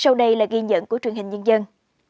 sau đây là ghi nhận của truyền hình nhân dân